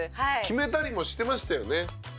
決めたりもしてましたよね。